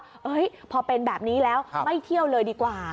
เฮ้ยพอเป็นแบบนี้แล้วไม่เที่ยวเลยดีกว่า